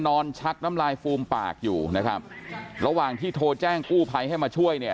ชักน้ำลายฟูมปากอยู่นะครับระหว่างที่โทรแจ้งกู้ภัยให้มาช่วยเนี่ย